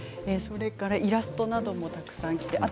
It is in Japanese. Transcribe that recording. イラストなどもたくさんきています。